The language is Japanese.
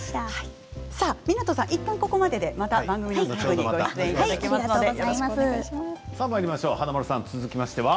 湊さんは、いったんここまででまた番組の最後にご出演いただきますのでよろしくお願いします。